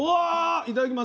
いただきます。